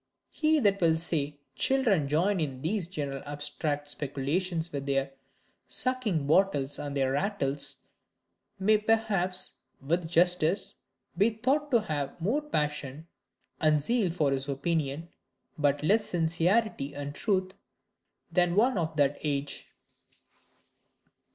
He that will say, children join in these general abstract speculations with their sucking bottles and their rattles, may perhaps, with justice, be thought to have more passion and zeal for his opinion, but less sincerity and truth, than one of that age.